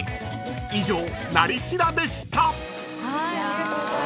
以上「なり調」でした］